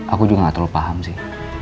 aku juga gak terlalu paham sih